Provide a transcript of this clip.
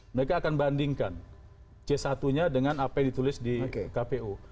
mereka akan bandingkan c satu nya dengan apa yang ditulis di kpu